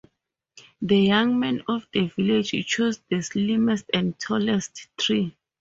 The young men of the village choose the slimmest and tallest tree.